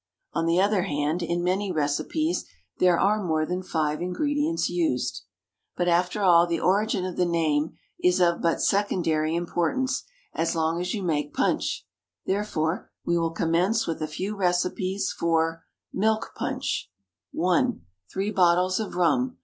On the other hand, in many recipes, there are more than five ingredients used. But after all, the origin of the name is of but secondary importance, as long as you can make punch. Therefore, we will commence with a few recipes for Milk Punch. 1. Three bottles of rum.